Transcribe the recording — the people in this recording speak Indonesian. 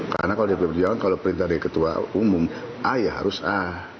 karena kalau dpd perjuangan kalau perintah dari ketua umum a ya harus a